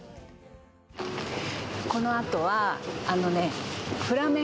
このあとはあのね